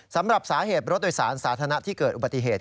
สำหรับสาเหตุรถโดยสารสาธารณะที่เกิดอุบัติเหตุ